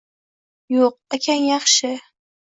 Yo‘q, akang yaxshi...